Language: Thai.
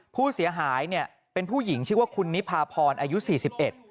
ผู้เสียหายเนี่ยเป็นผู้หญิงชื่อว่าคุณนิพาพรอายุสี่สิบเอ็ด